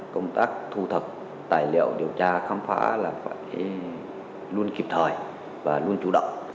công tác thu thập tài liệu điều tra khám phá là phải luôn kịp thời và luôn chủ động